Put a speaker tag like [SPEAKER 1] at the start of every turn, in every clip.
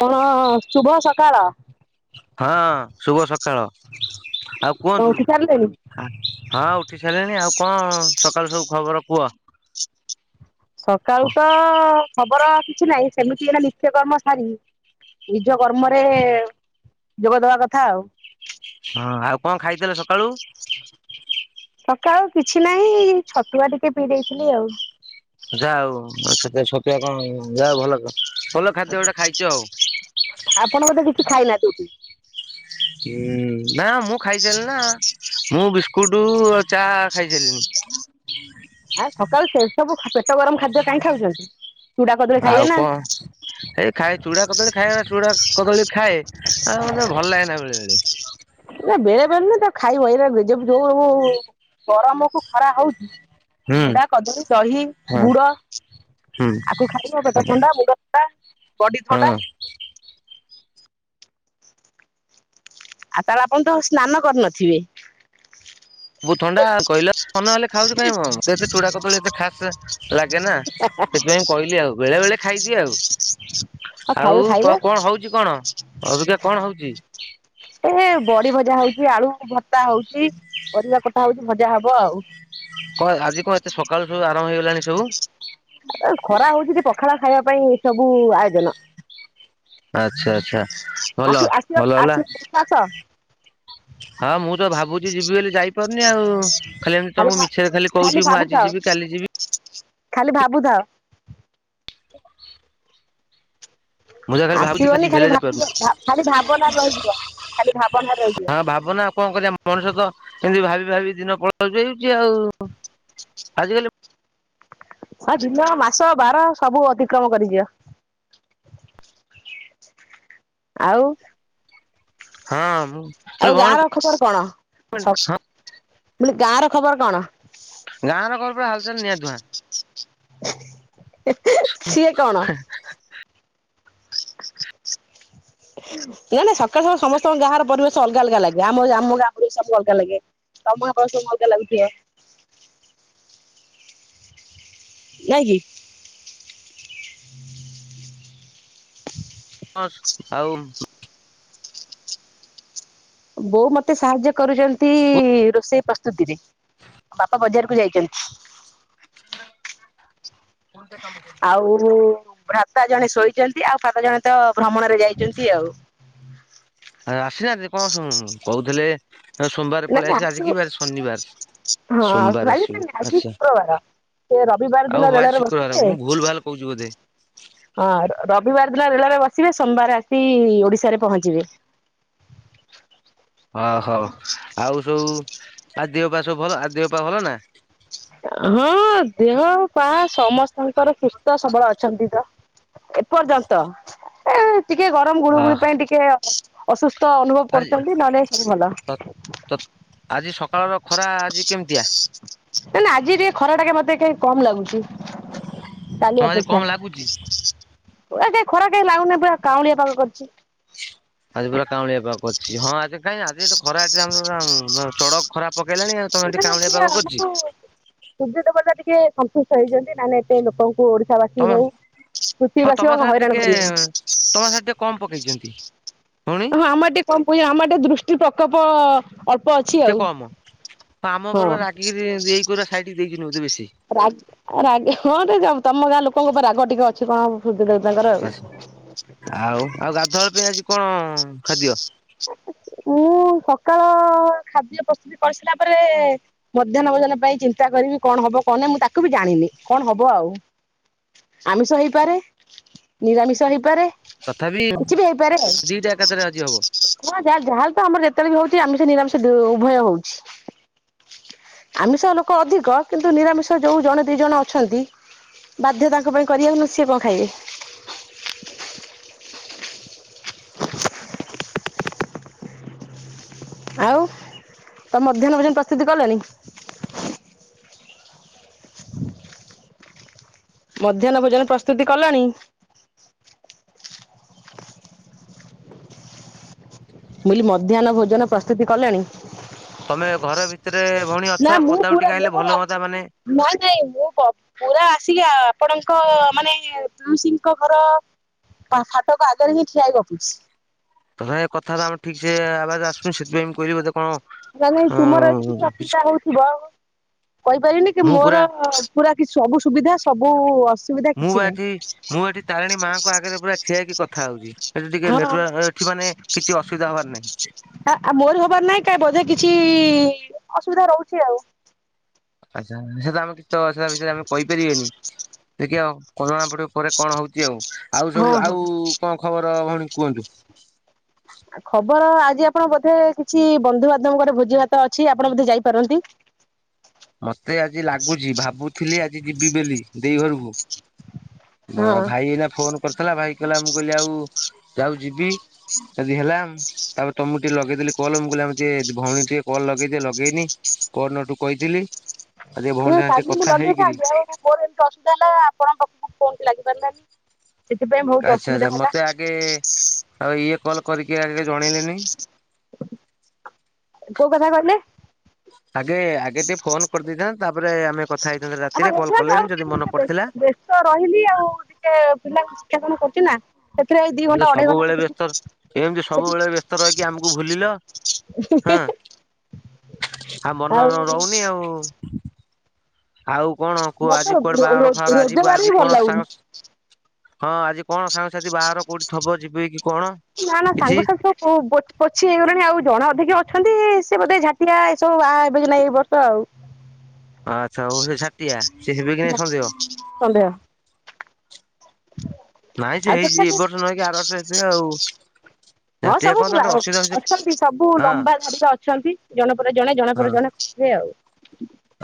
[SPEAKER 1] କଣ-ଅ-ଅ-ଅ ଶୁଭ ସକାଳ।
[SPEAKER 2] ହଁ ଶୁଭ ସକାଳ। ଆଉ କୁହନ୍ତୁ।
[SPEAKER 1] ଉଠି ସାରିଲେଣି?
[SPEAKER 2] ଆଛ୍ ହଁ ଉଠି ସାଇଲିଣି। ଆଉ କଣ ସକାଳୁ ସବୁ ଖବର କୁହ?
[SPEAKER 1] ସକାଳୁ
[SPEAKER 2] ହଁ
[SPEAKER 1] ତ ଖବର। କିଛି ନାହିଁ ସେମିତି ହେଲା ନିତ୍ୟ କର୍ମ ସାରି ନିଜ କର୍ମରେ ଯୋଗଦବା କଥା ଆଉ।
[SPEAKER 2] ଆଉ କଣ ଖାଇଥିଲେ ସକାଳୁ
[SPEAKER 1] ସକାଳ ଆଉ କିଛି ନାହିଁ ଛତୁଆ ଟିକେ ପିଇ ଦେଇଥିଲି ଆଉ।
[SPEAKER 2] ଯା ଅଉ ମା ଛତୁଆ ଛତୁଆ କଣ ଯା ଭଲ କ
[SPEAKER 1] ଆପଣ ବୋଧେ କିଛି ଖାଇନାହାନ୍ତି ଏଠି।
[SPEAKER 2] ନା କୁଡୁ ଆଉ ଚାଆ ଖାଇସାରିଲିଣିି।
[SPEAKER 1] ଆ ସକାଳୁ ସେ ସବୁ ଖ ପେଟ ଗରମ ଖାଦ୍ୟ କାଇଁ ଖାଉଚନ୍ତି?
[SPEAKER 2] ଆଉ କଁ ଏଇ ଖାଏ ଚୁଡ଼ା କଦଳୀ ଖାଏ। ଚୁଡା କଦଳୀ ଖାଏ। ଅଁ ମତେ ଭଲ ଲାଗେନା ବେଳେବେଳେ।
[SPEAKER 1] ନା ବେଳେ ବେଳେ ନୁହଁ ତାକୁ ଖାଇବ ଏରା ଯୋଉ ଉ ଉ ଉ ଗରମ କୁ ଖରା ହଉଚି।
[SPEAKER 2] ହୁଁ
[SPEAKER 1] ଚୁଡା କଦଳୀ ଦହି
[SPEAKER 2] ହଁ
[SPEAKER 1] ଗୁଡ।
[SPEAKER 2] ହୁଁ
[SPEAKER 1] ଆକୁ ଖାଇବ ପେଟ ଥଣ୍ଡା ମୁଣ୍ଡ ଥଣ୍ଡା ବଡି
[SPEAKER 2] ହଁ
[SPEAKER 1] ଥଣ୍ଡା। ଆଉ ତାହେଲେ ଆପଣ ତ ସ୍ନାନ କରିନଥିବେ?
[SPEAKER 2] ବହୁତ ଥଣ୍ଡା କହିଲେ ମନେ ହେଲେ ଖାଉଚୁ କାଇଁ ଏତେ ଚୁଡା କଦଳୀ ଏତେ ଖାସ୍ ଲାଗେ ନା ସେଥିପାଇଁ ମୁଁ କହିଲି ଆଉ ବେଳେ ବେଳେ ଖାଇଦିଏ ଆଉ।
[SPEAKER 1] ହଁ ଖାଇବେ
[SPEAKER 2] ଆଉ
[SPEAKER 1] ଖାଇବେ
[SPEAKER 2] କଣ ହଉଛି କଣ ଅଭିକା କଣ ହଉଛି।
[SPEAKER 1] ଏ ବଡ଼ି ଭଜା ହଉଛି ଆଳୁ କଥା ହଉଛି ପରିବା କଥା ହଉଛି ଭଜା ହବ ଆଉ।
[SPEAKER 2] କଣ ଆଜି କଣ ଏତେ ସକାଳୁୁ
[SPEAKER 1] [inaudible] ଖରା ହଉଛି ପଖାଳ ଖାଇବା ପାଇଁ ଏ ସବୁ ଆୟୋଜନ।
[SPEAKER 2] ଆଚ୍ଛା ଆଚ୍ଛା। ଭଲ ଭଲ ହେଲା
[SPEAKER 1] [unintelligible]
[SPEAKER 2] [inaudible] ହଁ ମୁଁ ତ ଭାବୁଛି ଯିବି ବୋଲି ଯାଇପାରୁନି ଆଉ ଖାଲି ଏମିତି ତମକୁ ମିଛରେ ଖାଲି କହୁଛି ମୁଁ ଆଜି ଯିବି କାଲି ଯିବି। ହ
[SPEAKER 1] ଖାଲି ଭାବୁଥା।
[SPEAKER 2] [inaudible] ମୁଁ ଯାହା ଖାଲି ଭାବୁଛି
[SPEAKER 1] ଆସିବନି
[SPEAKER 2] କି
[SPEAKER 1] ଖାଲି
[SPEAKER 2] ଭେଲ
[SPEAKER 1] ଭାବିବ ଖାଲି ଭାବନାରେ
[SPEAKER 2] ଯାଇପାରୁନି।
[SPEAKER 1] ରହିଯିବ। ଖାଲି ଭାବନା
[SPEAKER 2] [inaudible]
[SPEAKER 1] ରହିଯିବ
[SPEAKER 2] ହଁ ଭାବନା କଣ କରିବା ମଣିଷ ତ। ଏମିତି ଭାବି ଭାବି ଦିନ ପଳ ହେଉଛି ଆଉ ଆଜିକାଲି
[SPEAKER 1] ହଁ ଦିନ ମାସ ବାର ସବୁ ଅତିକ୍ରମ କରିଯିବ। ଆଉ।
[SPEAKER 2] ହଁ ମୁଁ।
[SPEAKER 1] ଆଉ ଗାଁ
[SPEAKER 2] ଭଉଣୀ
[SPEAKER 1] ର ଖବର କଣ [inaudible] ବ ଗାଁ ର ଖବର କଣ।
[SPEAKER 2] ଗାଁ ରୋକ ପ ହାଲଚାଲ ନିଆଁ ଧୁଆଁ।
[SPEAKER 1] ସିଏ କଣ
[SPEAKER 2] [inaudible]
[SPEAKER 1] ନ ନାଇଁ ସକାଳୁ ସକାଳ ସମସ୍ତଙ୍କ ଗାଁ ର ପରିବେଶ ଅଲଗା ଅଲଗା ଲାଗେ ଆମ ଆମ ଗାଁ ଗରେ ବି ସବୁ ଅଲଗା ଲାଗେ। [unintelligible] ନାଇ କି। [inaudible]
[SPEAKER 2] ହ ଆଉ।
[SPEAKER 1] ବୋଉ ମତେ ସାହାଯ୍ୟ କରୁଛନ୍ତି ରୋଷେଇ ପ୍ରସ୍ତୁତିରେ। ବାପା ବଜାର। ଯାଇଛନ୍ତି। ଆଉ ଭ୍ରାତା ଜଣେ ଶୋଇଛନ୍ତି ଆଉ ଭାତା ଜଣେ ତ ଭ୍ରମଣରେ ଯାଇଛନ୍ତି ଆଉ। [inaudible]
[SPEAKER 2] ଆସିନାହାନ୍ତି କଣ କହୁଥିଲେ ସୋମବାର
[SPEAKER 1] ନ
[SPEAKER 2] ପଳେଇ ଆସିବେ ଆଜି କି
[SPEAKER 1] ଆଶିବ
[SPEAKER 2] ବାର ଶନିବାର।
[SPEAKER 1] [inaudible]
[SPEAKER 2] ସୋମବାର
[SPEAKER 1] ହଁ ଆଜି
[SPEAKER 2] ଆସିବେ ଆଚ୍ଛା
[SPEAKER 1] ଶୁକ୍ରବାର। ସେ ରବିବାର
[SPEAKER 2] ଆଉ
[SPEAKER 1] ଦିନ
[SPEAKER 2] ହଉ ଆଜି
[SPEAKER 1] ମେଳରେ
[SPEAKER 2] ଶୁକ୍ରବାର
[SPEAKER 1] ବର୍ତି
[SPEAKER 2] ମୁଁ ଭୁଲ ଭାଲ କହୁଛି ବୋଧେ
[SPEAKER 1] [inaudible] ହଁ। ରବିବାର ଦିନ ରେଳରେ ବସିବେ ସୋମବାର ଆସି ଓଡିଶାରେ ପହଞ୍ଚିବେ। [inaudible]
[SPEAKER 2] ଓହଉ ଆଉ ସବୁ ଦିଅ ପା ସବୁ ଭଲ ଆ ଦିଆପା ଭଲ ନା।
[SPEAKER 1] ହଁ ଦେହଉ ପା ସମସ୍ତଙ୍କର ସୁସ୍ଥ ସବଳ ଅଛି। ଛନ୍ତି ତ ଏପର୍ଯ୍ୟନ୍ତ ଏ ଟିକେ ଗରମ ଗୁଳୁ
[SPEAKER 2] ଅ
[SPEAKER 1] ଗୁଳି ପାଇଁ ଟିକେ ଅସୁସ୍ଥ ଅନୁଭବ
[SPEAKER 2] ଆଜି
[SPEAKER 1] କରୁଛନ୍ତି ନଲେ ସବୁ ଭଲ।
[SPEAKER 2] ତ ତ ଆଜି ସକାଳର ଖରା ଆଜି କେମିତିଆ?
[SPEAKER 1] ନା ନା ଆଜି କାଇଁ ଖରା ଟା ମତେ କେ କମ ଲାଗୁଛି।
[SPEAKER 2] ହଁ ଆଜି କମ୍ ଲାଗୁଛି।
[SPEAKER 1] ପୁରା କାଇଁ ଖରା କେହି ଲାଗୁନି ପୁରା କାଉଁଳିଆ ପାାଗ କରିଛି।
[SPEAKER 2] ଆଜି ପୁରା କାଉଁଳିଆ ପାଗ‌ ଅଛି ହଁ ଆଜି କାଇଁ ଆଜି ଏଠି ଖରା ଏଠି ଆମର ଚଡ ଖରା ପକେଇଲାଣି ଆଉ ତମେ ଏଠି
[SPEAKER 1] ସୁର୍ଯ୍ୟ ନା
[SPEAKER 2] କାଉଁଳିଆ
[SPEAKER 1] ସିଏ
[SPEAKER 2] ପାଗ କରିଛି।
[SPEAKER 1] ଆମକୁ ସୁର୍ଯ୍ୟ ଦେବତା ଟିକେ ସନ୍ତୁଷ୍ଟ ହେଇଛନ୍ତି। ନହେଲେ ଏତେ ଲୋକଙ୍କୁ ଓଡିଶା ବାସୀ
[SPEAKER 2] ତମ
[SPEAKER 1] ହଉ
[SPEAKER 2] ହଁ
[SPEAKER 1] ପୃଥିବୀବାସୀ
[SPEAKER 2] ତମ
[SPEAKER 1] ହଉ
[SPEAKER 2] ସାର
[SPEAKER 1] ହଇରାଣ
[SPEAKER 2] ଟିକେ
[SPEAKER 1] କରିବେନି।
[SPEAKER 2] ତମ ସାର ଟିକେ କମ ପକେଇଛନ୍ତି। ଭଉଣୀ
[SPEAKER 1] ହଁ ଆମର ଟିକେ କମ୍ [unintelligible] ଆମର ଟିକେ ଦୁ ଦୃଷ୍ଟି ପ୍ରକୋପ ଅଳ୍ପ ଅଛି
[SPEAKER 2] ଟିକେ
[SPEAKER 1] ଆଉ।
[SPEAKER 2] କମ। ହଁ ଆମ ଉପରେ ବା ରାଗିକି ଏଇ କରୁଆ ସାଇଡି ଦେଇଛନ୍ତି ବୋଧେ ବେଶୀ।
[SPEAKER 1] ରାଗି ରାଗି ହଁ ରେ ଯ ତମ ଗାଁ ଲୋକଙ୍କ ଉପରେ ରାଗ ଟିକେ ଅଛି କଣ ସୁ
[SPEAKER 2] ଆଛା ଆଉ ଆଉ ଗାଧୁଆ ପାଇଁ ଆଜି କଣ ଖାଦ୍ୟ?
[SPEAKER 1] [inaudible] ମୁଁ ସକାଳ ଖାଦ୍ୟ ପ୍ରସ୍ତୁତି କରିସାରିଲା ପରେ ମଧ୍ୟାହ୍ନ ଭୋଜନ ପାଇଁ ଚିନ୍ତା କରିବି କଣ ହବ କଣ ନାହିଁ ମୁଁ ତାକୁ ବି ଜାଣିନି କଣ ହବ ଆଉ। ଆମିଷ ହେଇପାରେ ନିରାମିଷ ହେଇପାରେ।
[SPEAKER 2] ତଥାପି
[SPEAKER 1] କିଛି ବି ହେଇପାରେ ଆଉ
[SPEAKER 2] ଦିଟା ଏକାଥରେ ଆଜି ହବ।
[SPEAKER 1] ହଁ ଯାହା ଯାହାଲେ ତ ଆମର ଯେତେବେଳେ ବି ହଉଛି ଆମିଷ ନିରାମିଷ ଉଭୟ ହଉଛି। ଆମିଷ ଲୋକ ଅଧିକ କିନ୍ତୁ ନିରାମିଷ ଯୋଉ ଜଣେ ଦି ଜଣ ଅଛନ୍ତି ବାଧ୍ୟ ତାଙ୍କ ପାଇଁ କରିବାକୁ ନ ସିଏ କଣ ଖାଇବେ?
[SPEAKER 2] [inaudible]
[SPEAKER 1] ଆଉ ତମ ମଧ୍ୟାହ୍ନ ଭୋଜନ ପ୍ରସ୍ତୁତି କଲେଣିି?
[SPEAKER 2] [inaudible]
[SPEAKER 1] ମଧ୍ୟାହ୍ନ ଭୋଜନ ପ୍ରସ୍ତୁତି କଲଣି? ମୁଲ ମଧ୍ୟାହ୍ନ ଭୋଜନ ପ୍ରସ୍ତୁତି କଲେଣି?
[SPEAKER 2] ତମେ ଘର ଭିତରେ ଭଉଣୀ
[SPEAKER 1] ନା
[SPEAKER 2] ଅଛ
[SPEAKER 1] ମୁଁ
[SPEAKER 2] ପଦାକୁ
[SPEAKER 1] ପୁରା
[SPEAKER 2] ଟିକେ
[SPEAKER 1] ମୁଁ
[SPEAKER 2] ଆଇଲେ ଭଲ ହୁଅନ୍ତା ମାନେ
[SPEAKER 1] ନାଇଁ ନାଇଁ ମୁଁ ପ ପୁରା ଆସିକି ଆ ଆପଣଙ୍କ ମାନେ ତୁଳସୀଙ୍କ ଘର ଫାଟକ ଆଗରେ ହିଁ ଠିଆ ହେଇ ଗପୁଛି।
[SPEAKER 2] ତଥାପି କଥାତା ଆମ ଠିକ ସେ ଆବାଜ ଆସୁଛି ସେଥିପାଇଁ ମୁଁ କହିଲି ବୋଧେ କଣ
[SPEAKER 1] ନା ନାଇଁ
[SPEAKER 2] ଅ
[SPEAKER 1] ତୁମର ଏ [unintelligible] ଅସୁବିଧା ହଉଥିବ କହିପାରିବିନି କି
[SPEAKER 2] ମୁଁ
[SPEAKER 1] ମୋର
[SPEAKER 2] ପୁରା
[SPEAKER 1] ପୁରା କିଛି ସବୁ ସୁବିଧା ସବୁ ଅସ୍
[SPEAKER 2] ମୁଁ ବା ଏଠି ମୁଁ ଏଠି ତାରିଣୀ ମାଆଙ୍କ ଆଗରେ ପୁରା ଠିଆଇକି କଥା ହଉଛି ସେଠି ଟିକେ
[SPEAKER 1] ହଁ।
[SPEAKER 2] ନେଟୱର୍କ ମାନେ କିଛି ଅସୁବିଧା ହବାର ନାହିଁ।
[SPEAKER 1] ଆ ମୋର ହବାର ନାହିଁ କାଇଁ ବୋଧେ କିଛି ଅସୁବିଧା ରହୁଛି ଆଉ।
[SPEAKER 2] ଆଚ୍ଛା ସେତ ଆମ କିଛି ତ ସେଟା ବିଷୟରେ ଆମେ କହିପାରିଆନି ଦେଖିବାଉ କରୋନା ପଟ ପରେ କଣ ହଉଛି ଆଉ ଆଉ
[SPEAKER 1] ହଁ
[SPEAKER 2] ସବୁ
[SPEAKER 1] ହଁ।
[SPEAKER 2] ଆଉ କଣ ଖବର ଭଉଣୀ କୁହନ୍ତୁ।
[SPEAKER 1] ଖବ ବର ଆଜି ଆପଣ ବୋଧେ କିଛି ବନ୍ଧୁବାନ୍ଧବଙ୍କର ଭୋଜି ଭାତ ଅଛି ଆପଣ ବୋଧେ ଯାଇପାରନ୍ତି।
[SPEAKER 2] ମତେ ଆଜି ଲାଗୁଛି ଭାବୁଥିଲି ଆଜି ଯିବି ବେଲି ଦେଇ ଘରକୁ ମ
[SPEAKER 1] ହଁ।
[SPEAKER 2] ଭାଇ ଏଇନା ଫୋନ କରିଥିଲା ଭାଇ କହିଲା ମୁଁ କହିଲି ଆଉ ଯାଉ ଯିବି ଯଦି ହେଲାମ ତାପରେ ତମୁ ଟିକେ ଲଗେଇଦେଲି କଲ୍ ମୁଁ କହିଲି ଆମେ ଟିକେ ଭଉଣୀ ଟିକେ କଲ ଲଗେଇଦିଏ ଲଗେଇନି ପର୍ନଟୁ କହିଥିଲି। [inaudible]
[SPEAKER 1] ନା
[SPEAKER 2] ସାଙ୍ଗେ ଟିକେ
[SPEAKER 1] କାଲି ମୁଁ
[SPEAKER 2] କଥା ହେଇକିରି
[SPEAKER 1] ଲଗେଇଥାନ୍ତି ଆଉ ମୋର ଏମିତି ଅସୁବିଧା ହେଲା ଆପଣଙ୍କ କଥା ଫୋନ୍ ଲାଗିପାରିଲାନି ସେଥିପାଇଁ ବହୁତ
[SPEAKER 2] ଆଚ୍ଛା ଆଚ୍ଛା
[SPEAKER 1] ଅସୁବିଧା ହେଲା।
[SPEAKER 2] ମତେ ଆଗେ ଆଉ ଇଏ କଲ କରିକି ଆଗେ ଜଣେଇଲେନି।
[SPEAKER 1] କୋଉ କଥା କହିଲେ?
[SPEAKER 2] ଆଗେ ଆଗେ ଟିକେ ଫୋନକରିଦେଇଥାଆନ୍ତେ ତାପରେ ଆମେ କଥା ହେଇଥାନ୍ତେ
[SPEAKER 1] ଏ
[SPEAKER 2] ରାତିରେ କଲ୍ କଲେନି ଯଦି ମନେ ପଡିଥିଲା
[SPEAKER 1] ଆଉସ୍ତ ରହିଲି ଆଉ ଟିକେ ପିଲା ଶିକ୍ଷା କଣ [inaudible] ଚି ନା ସେଥିରେ ଦି
[SPEAKER 2] ତମେ ତ
[SPEAKER 1] ଘଣ୍ଟା ଅଢେଇ
[SPEAKER 2] ସବୁବେଳେ ବ୍ୟସ୍ତ
[SPEAKER 1] ଘଣ୍ଟା
[SPEAKER 2] ଏମିତି ସବୁବେଳେ ବ୍ୟସ୍ତ ରହିକି ଆମକୁ ଭୁଲିଲ
[SPEAKER 1] ସେଠ [inaudible] [unintelligible]
[SPEAKER 2] ଆଃ ମନ ରହୁନି ଆଉ। ଆଉ କଣ କୁହ
[SPEAKER 1] ମତେ
[SPEAKER 2] ଆଜି କୁଆଡେ ବାହାଘର ଫାହାଘର
[SPEAKER 1] ରୋଜଗାର ହିଁ
[SPEAKER 2] ଆଜି
[SPEAKER 1] ଭଲ
[SPEAKER 2] କଣ
[SPEAKER 1] ଲାଗୁନି।
[SPEAKER 2] ସାଙ୍ଗ ହଁ ଆଜି କଣ ସାଙ୍ଗସାଥି ବାହାର କୋଉଠିଥବ ଯିବି କି କଣ
[SPEAKER 1] ନା ନା
[SPEAKER 2] କିଛି?
[SPEAKER 1] ସାଙ୍ଗସାଥି ଆଉ ପୋଛି ହେଇଗଲେଣି ଆଉ ଜଣ ଅଧିକ ଅଛନ୍ତି ସେ ବୋଧେ ଝାଟିଆ ଏ ସବୁ ବାହା ଏବେ ଏଇ ବର୍ଷ ଆଉ।
[SPEAKER 2] ଆଚ୍ଛା ହଉ ସେ ଝାଟିଆ ସେ ହେବେ କି ନାହିଁ ସନ୍ଦେହ ନାଇଁ ସେ
[SPEAKER 1] ଆ ତ
[SPEAKER 2] ହେଇଛି ଏ
[SPEAKER 1] ଖଠ
[SPEAKER 2] ବର୍ଷ ନହେଇକି ଆର ବର୍ଷ ହେବେ ଆଉ।
[SPEAKER 1] [inaudible] ହଁ
[SPEAKER 2] ଝାଟିଆ
[SPEAKER 1] ସବୁ
[SPEAKER 2] କଣ ତାଙ୍କର ଅସୁବିଧା ହଉଛି
[SPEAKER 1] ଅଛନ୍ତି ସବୁ
[SPEAKER 2] ହଁ
[SPEAKER 1] ଲମ୍ବା ଧାଡିରେ ଅଛନ୍ତି ଜଣେ ପରେ ଜଣେ ଜଣେ
[SPEAKER 2] ହଁ
[SPEAKER 1] ଜଣେ ସେ ଆଉ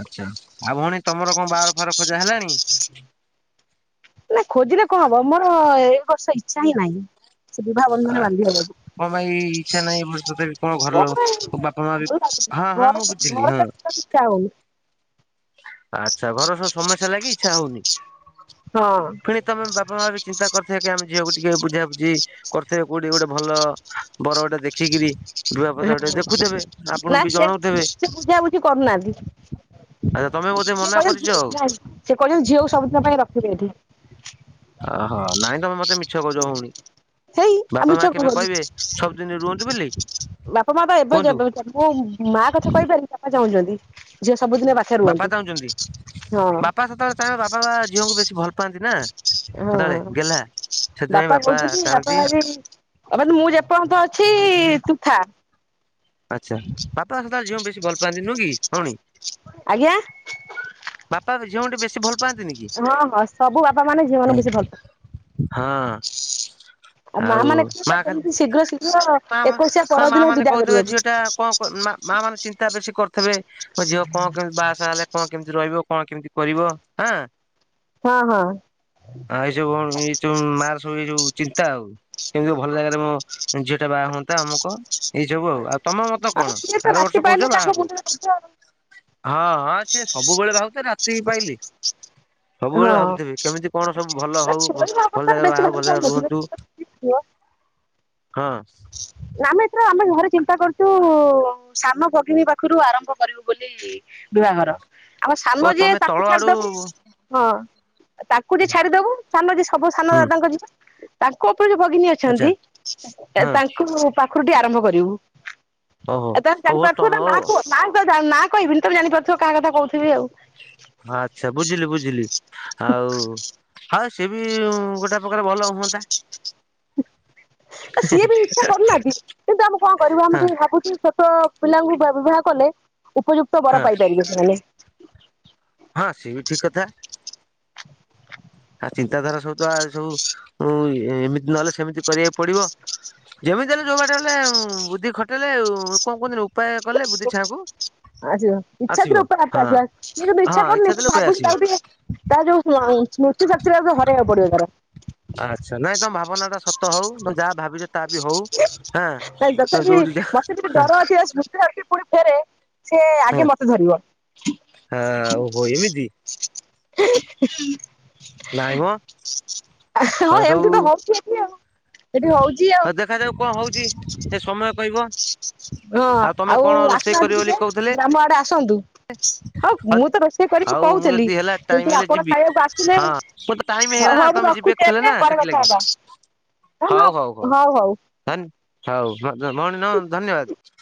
[SPEAKER 2] ଆଚ୍ଛା ଆଉ ଭଉଣୀ ତମର କଣ ବାହାଘର ଫାହାଘର ଖୋଜା ହେଲାଣି।
[SPEAKER 1] ନା ଖୋଜିଲେ କଣ ହବ ମୋର ଏଇ ବର୍ଷ ଇଚ୍ଛା ହିଁ ନାହିଁ। ସେ ବିବାହବନ୍ଧନ ବାନ୍ଧି ହେବକୁ।
[SPEAKER 2] ସେ ନାଇ କଣ ଘର ଲୋ ବାପା ମା ବି ହଁ
[SPEAKER 1] ଘର
[SPEAKER 2] ହଁ
[SPEAKER 1] ଘର
[SPEAKER 2] ମୁଁ ବୁଝିଲି ହଁ।
[SPEAKER 1] ଇଚ୍ଛା ହଉନି
[SPEAKER 2] ଆଚ୍ଛା ଘର ସବୁ ସମସ୍ୟା ଲାଗି ଇଚ୍ଛା ହଉନି। ପୁଣି ତମେ ବାପା ମା ବି ଚିନ୍ତା କରିଥିବ କି ଆମେ ଝିଅକୁ ଟିକେ ବୁଝା ବୁଝି କରିଥିବେ କୋଉଠି ଗୋଟେ ଭଲ ବର ଗୋଟେ ଦେଖିକିରି। ବିବାହ ପ୍ରସ୍ତାବ ଟେ
[SPEAKER 1] ହଁ
[SPEAKER 2] ଦେଖୁଥିବେ ଆପଣଙ୍କୁ
[SPEAKER 1] ନା
[SPEAKER 2] ବି
[SPEAKER 1] ସେ
[SPEAKER 2] ଜଣଉଥିବେ
[SPEAKER 1] ସେ ବୁଝାବୁଝି କରୁନାହାନ୍ତି।
[SPEAKER 2] ଆଚ୍ଛା ତମେ ବୋଧେ
[SPEAKER 1] ସେ
[SPEAKER 2] ମନା କରିଛ
[SPEAKER 1] କହିଲ
[SPEAKER 2] ଆଉ
[SPEAKER 1] ସେ କହିଲ ଝିଅକୁ ସବୁଦିନ ପାଇଁ ରଖିବେ ଏଠି।
[SPEAKER 2] ଓହୋ ନାଇଁ ତମେ ମତେ ମିଛ କହୁଛ ଭଉଣୀ।
[SPEAKER 1] ହେଇ ଆଉ
[SPEAKER 2] ବାପା
[SPEAKER 1] ମିଛ
[SPEAKER 2] ମା
[SPEAKER 1] କଣ
[SPEAKER 2] କେବେ
[SPEAKER 1] କହିଲୁ
[SPEAKER 2] କହିବେ ସବୁଦିନ ରୁହନ୍ତୁ ବୋଲି।
[SPEAKER 1] ବାପା ମା ବା ଏବେ
[SPEAKER 2] କୁହନ୍ତୁ
[SPEAKER 1] ମୁଁ ମା କଥା କହିପାରିବିନି ବାପା ଚାହୁଁଛନ୍ତି ଝିଅ ସବୁଦିନ ପାଖରେ
[SPEAKER 2] ବାପା
[SPEAKER 1] ରୁହନ୍ତୁ
[SPEAKER 2] ଚାହୁଁଛନ୍ତି
[SPEAKER 1] ହଁ
[SPEAKER 2] ବାପା ସେତେବେଳେ ଚାହିଁବେ ବାପା ବା ଝିଅଙ୍କୁ ବେଶୀ ଭଲ ପାଆନ୍ତି ନା।
[SPEAKER 1] ହଁ
[SPEAKER 2] ହଦଳରେ ଗେଲ୍ଲା।
[SPEAKER 1] ବାପା କହୁଛନ୍ତି ବାପା ବି ମୁଁ ଯେପର୍ଯ୍ୟନ୍ତ ଅଛି ତୁ ଥାଆ।
[SPEAKER 2] ଆଚ୍ଛା ବାପା ଆ ଝିଅ ବେଶୀ ଗଲ ପାଆନ୍ତି ନୁ କି ଭଉଣୀ।
[SPEAKER 1] ଆଜ୍ଞା
[SPEAKER 2] ବାପା ଝିଅଙ୍କୁ ଟ ବେଶୀ ଭଲ ପାଆନ୍ତିନି କି?
[SPEAKER 1] ହଁ ହଁ ସବୁ ବାପା ମାନେ ଝିଅ
[SPEAKER 2] ହଁ
[SPEAKER 1] ମାନଙ୍କୁ ବେଶୀ ଭଲ ପାଆନ୍ତି।
[SPEAKER 2] ହଁ।
[SPEAKER 1] ମା
[SPEAKER 2] ଆଉ
[SPEAKER 1] ମାନେ
[SPEAKER 2] ମା
[SPEAKER 1] କହିବେ
[SPEAKER 2] ଖାଲି
[SPEAKER 1] କେମିତି ଶୀଘ୍ର ଶୀଘ୍ର
[SPEAKER 2] ମା
[SPEAKER 1] ଏକୋଇଶିଆ
[SPEAKER 2] ମା
[SPEAKER 1] ପରଦିନ
[SPEAKER 2] ମାନେ
[SPEAKER 1] ବିଦା
[SPEAKER 2] କହୁ
[SPEAKER 1] କରିବାକୁ।
[SPEAKER 2] ଝିଅଟା କଣ ମା ମାନେ ଚିନ୍ତା ବେଶୀ କରିଥିବେ ମୋ ଝିଅ କଣ କେମିତି ବାହାସାହା ହେଲେ କଣ କେମିତି ରହି କଣ କେମିତି କରିବ ହଁ।
[SPEAKER 1] ହଁ ହଁ
[SPEAKER 2] ଆଉ ଏଇ ସ କଣ ଏ ମାଆ ଯଉ ଚିନ୍ତା ଆଉ କେମିତି ଭଲ ଜାଗାରେ ମୋ ଝିଅଟା ବାହା ହୁଅନ୍ତା ଆମୁକ ଏଇ ଯୋଗୁ ଆଉ। ତମ ମତ
[SPEAKER 1] ଆଉ
[SPEAKER 2] କଣ
[SPEAKER 1] ସିଏ ତ
[SPEAKER 2] ଆର
[SPEAKER 1] ରାତି
[SPEAKER 2] ବର୍ଷ
[SPEAKER 1] ପାଇଲେ
[SPEAKER 2] କହୁଛ ବାହା
[SPEAKER 1] ତାଙ୍କ
[SPEAKER 2] ହବ।
[SPEAKER 1] ମୁଣ୍ଡରେ ବୋଝ ଆଉ।
[SPEAKER 2] ହଁ ହଁ ସି ସବୁବେଳେ ଭାବଥିଲେ ରାତି ହି ପାହିଲେ। ସବୁବେଳେ
[SPEAKER 1] ହଁ
[SPEAKER 2] ଭାବୁଥିବେ କେମିତି କଣ ସବୁ ଭଲ ହଉ,
[SPEAKER 1] ଛୁଆଙ୍କ
[SPEAKER 2] ଭଲ
[SPEAKER 1] ଅବସ୍ଥାରେ
[SPEAKER 2] ଜାଗାରେ
[SPEAKER 1] ବେଶୀ
[SPEAKER 2] ବାହାହୁଏ
[SPEAKER 1] ଭାବି
[SPEAKER 2] ଭଲ ଜାଗା
[SPEAKER 1] ପାରୁନଥିବେ
[SPEAKER 2] ରୁହନ୍ତୁ। ହ
[SPEAKER 1] ନା ଆମେ ଏତ ଆମେ ଘରେ ଚିନ୍ତା କରୁଚୁ ସାନ ଭଗିନୀ ପାଖରୁ ଆରମ୍ଭ କରିବୁ ବୋଲି ବିବାହର। ଆମର
[SPEAKER 2] ଓ
[SPEAKER 1] ସାନ ଯିଏ
[SPEAKER 2] ତମେ ତଳ
[SPEAKER 1] ତାକୁ ଛାଡ଼ି
[SPEAKER 2] ଆଡୁ
[SPEAKER 1] ଦେବୁ ହଁ। ତାଙ୍କୁ ଯ ଛାଡିଦବୁ ସାନ ଯିଏ ସବୁ ସାନ
[SPEAKER 2] ହୁଁ
[SPEAKER 1] ଦାଦାଙ୍କ ଯିବ, ତାଙ୍କୁ ଯୋଉ ଭଗିନୀ
[SPEAKER 2] ଆଚ୍ଛା
[SPEAKER 1] ଅଛନ୍ତି,
[SPEAKER 2] ହଁ।
[SPEAKER 1] ତାଙ୍କୁ ପାଖରୁ ଟିକ ଆରମ୍ଭ କରିବୁ।
[SPEAKER 2] ଓହୋ
[SPEAKER 1] ଏ ତମେ
[SPEAKER 2] ହଉ ହଉ ତମ
[SPEAKER 1] ଜାଣିପାରୁଥିବ ନା କ କହିବିନି ତମେ ଜାଣିପାରୁଥିବ କାହା କଥା କହୁ
[SPEAKER 2] ଆଚ୍ଛା ବୁଝିଲି ବୁଝିଲି ଆଉ ହ ସେ ବି ଗୋଟେ ପ୍ରକାର ଭଲ ହୁଅନ୍ତା।
[SPEAKER 1] ସିଏ ବି ଇଚ୍ଛା କରୁନାହାନ୍ତି, କିନ୍ତୁ ଆମେ କଣ କରିବୁ ଆମେ
[SPEAKER 2] ହଁ
[SPEAKER 1] ଟିକେ ଭାବୁଛି ଛୋଟ ପିଲାଙ୍କୁ [inaudible] କଲେ ଉପଯୁକ୍ତ ବର
[SPEAKER 2] ହଁ
[SPEAKER 1] ପାଇପାରିବେ ସେମାନେ।
[SPEAKER 2] ହଁ ସେ ବି ଠିକ କଥା। ଆ ଚିନ୍ତାଧାରା ସବୁ ତ ଆ ସବୁ ଏମିତି ନହେଲେ ସେମିତି କରିବାକୁ ପଡିବ। ଯେମିତିଲେ ଯୋଉ ବାଟ ହେଲେ ବୁଦ୍ଧି ଖଟେଇଲେ ଆ ଲୋକେ କହୁିନି ଉପାୟ କଲେ ବୁଦ୍ଧି ଛାଆ କକୁ
[SPEAKER 1] ଆସ ଇଚ୍ଛା ଥିଲେ ଆ [unintelligible]
[SPEAKER 2] ହଁ
[SPEAKER 1] ଇଚ୍ଛା
[SPEAKER 2] ଥିଲେ ଉପାୟ ଆସିବ।
[SPEAKER 1] କରୁନି ତା ଯୋଉ ସ୍ମୁତି ଶକ୍ତି ଚାଟା ଯ ହରାଇବାକୁ ପଡିବ, ତାର
[SPEAKER 2] ଆଚ୍ଛା ନାଇଁ ତମ ଭାବନା ଟା ସତ ହଉ, ନହେଲେ ଯାହା ଭାବିଛ ତାହା ବି ହଉ। ହଁ ତମେ
[SPEAKER 1] ଦେଥାପି
[SPEAKER 2] ଯୋଉଠି ଯା
[SPEAKER 1] ମସ ଯି ଡର ଅଛି ପୁରୀ ଫେରେ ସେ
[SPEAKER 2] ହଁ
[SPEAKER 1] ଆଗେ ମତେ ଧରିବ। [inaudible]
[SPEAKER 2] ଓହୋ ଏମିତି ନାଇଁ ମ
[SPEAKER 1] ହଁ ଏମତି ତ ହଉଛି ଏଠି ଆଉ। ଏଠି ହଉଛି ଆଉ।
[SPEAKER 2] ହଁ ଦେଖାଯାଉ କଣ ହଉଛି, ଏ ସମୟ କହି
[SPEAKER 1] ହଁ
[SPEAKER 2] ଆଉ ତମେ
[SPEAKER 1] ଆଉ
[SPEAKER 2] କଣ ରୋଷେଇ
[SPEAKER 1] ଆସୁନାହାନ୍ତି
[SPEAKER 2] କରିବ
[SPEAKER 1] ଟିକେ
[SPEAKER 2] ବୋଲି କହୁଥିଲେ?
[SPEAKER 1] ଗ୍ରାମ ଆଡେ ଆସନ୍ତୁ ହଁ ମୁଁ ତ ରୋଷେଇ କରିକି
[SPEAKER 2] ହଉ ମୁଁ
[SPEAKER 1] କହୁଥିଲି
[SPEAKER 2] ଯଦି ହେଲା ଟାଇମ
[SPEAKER 1] କିନ୍ତୁ
[SPEAKER 2] ହେଲେ
[SPEAKER 1] ଆପଣ
[SPEAKER 2] ଯିବି
[SPEAKER 1] ଖାଇବାକୁ ଆସିଲେ
[SPEAKER 2] ହଁ ମୋର ତ ଟାଇମ୍
[SPEAKER 1] ହଉ ହଉ ମୁଁ
[SPEAKER 2] ତମେ
[SPEAKER 1] ରଖୁଛି
[SPEAKER 2] ଯିବେକୁ ହେଲେ ନା
[SPEAKER 1] ଏବେ ପରେ କଥା
[SPEAKER 2] ସେଥିଲାଗି
[SPEAKER 1] ହବା
[SPEAKER 2] ହଉ ହଉ ହଉ ଧନ୍ ହଉ ଭ ଭଉଣୀ ନ ଧନ୍ୟବାଦ।